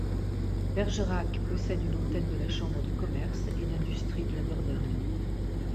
Bergerac possède une antenne de la Chambre de commerce et d'industrie de la Dordogne.